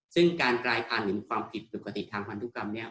ซึ่งการกลายพันธุ์หรือความผิดปกติทางพันธุกรรมเนี่ย